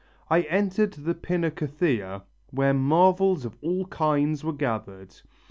"I entered the Pinacotheca, where marvels of all kinds were gathered.